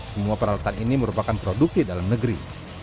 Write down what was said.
semua peralatan ini merupakan produksi dalam negeri